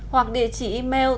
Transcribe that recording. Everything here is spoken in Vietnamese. hoặc địa chỉ email